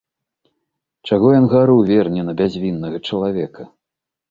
Чаго ён гару верне на бязвіннага чалавека?